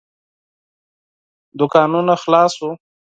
دوکانونه خلاص وو.